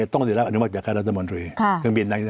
ต้องได้รับอนุมัติจากรัฐมนตรีเครื่องบิน